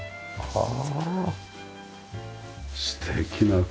ああ。